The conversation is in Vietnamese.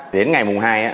đến ngày mùng hai